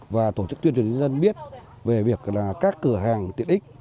và tổ chức tuyên truyền dân biết về việc là các cửa hàng tiện ích